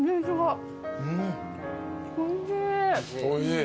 おいしい。